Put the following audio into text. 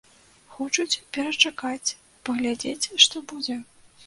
Хочуць перачакаць, паглядзець, што будзе.